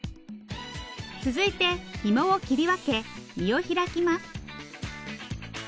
続いてひもを切り分け身を開きます。